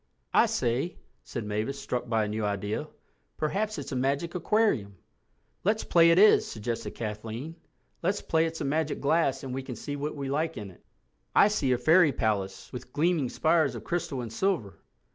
"I say," said Mavis, struck by a new idea, "perhaps it's a magic aquarium." "Let's play it is," suggested Kathleen—"let's play it's a magic glass and we can see what we like in it. I see a fairy palace with gleaming spires of crystal and silver."